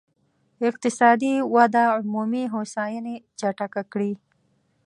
اقتصادي وده عمومي هوساينې چټکه کړي.